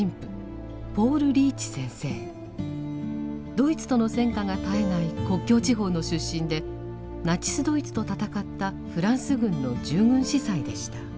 ドイツとの戦火が絶えない国境地方の出身でナチス・ドイツと戦ったフランス軍の従軍司祭でした。